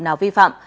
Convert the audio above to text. và giao vi phạm